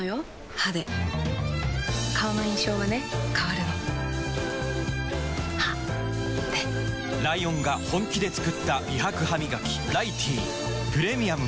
歯で顔の印象はね変わるの歯でライオンが本気で作った美白ハミガキ「ライティー」プレミアムも